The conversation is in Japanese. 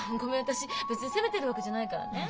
私別に責めてるわけじゃないからね。